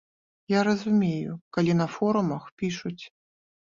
Я разумею, калі на форумах пішуць.